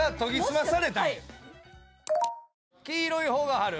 黄色い方がはる？